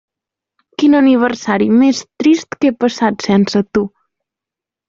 Quin aniversari més trist que he passat sense tu.